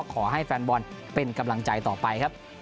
ขอให้แฟนบอลเป็นกำลังใจต่อไปครับ